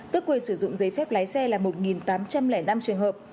tức quyền sử dụng giấy phép lái xe là một tám trăm linh năm trường hợp